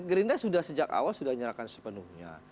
gerinda sudah sejak awal sudah menyalakan sepenuhnya